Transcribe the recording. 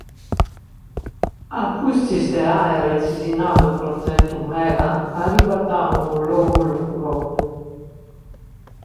A pustis de àere trisinadu pro tretu meda, arribat a unu logu lugorosu.